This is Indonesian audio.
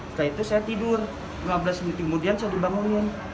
setelah itu saya tidur lima belas menit kemudian saya dibangunin